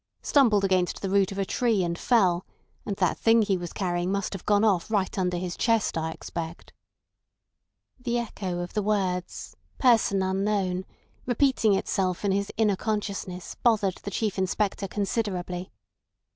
Stumbled against the root of a tree and fell, and that thing he was carrying must have gone off right under his chest, I expect." The echo of the words "Person unknown" repeating itself in his inner consciousness bothered the Chief Inspector considerably.